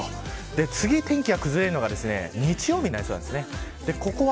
次に天気が崩れるのが日曜日になりそうです。